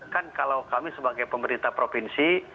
kan kalau kami sebagai pemerintah provinsi